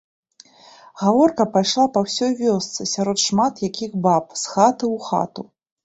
Гаворка пайшла па ўсёй вёсцы, сярод шмат якіх баб, з хаты ў хату.